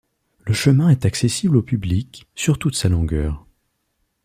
Le chemin est accessible au public sur toute sa longueur.